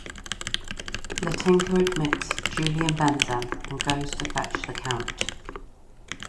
Lotinka admits Julie and Benda, and goes to fetch the Count.